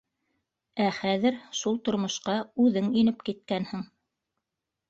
Ә хәҙер шул тормошҡа үҙең инеп киткәнһең.